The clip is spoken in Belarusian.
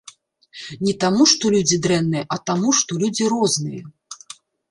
Не таму, што людзі дрэнныя, а таму, што людзі розныя.